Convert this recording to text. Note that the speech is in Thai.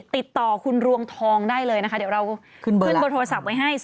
ติดต่อคุณรวงทองได้เลยนะคะเดี๋ยวเราขึ้นเบอร์โทรศัพท์ไว้ให้